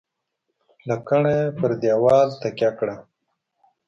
. لکڼه یې پر دېوال تکیه کړه .